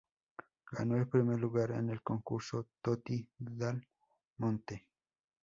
Ganó el primer lugar en el concurso Toti dal Monte.